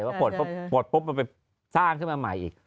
ก็ปลดปุ๊บปลดปุ๊บมันไปสร้างขึ้นมาใหม่อีก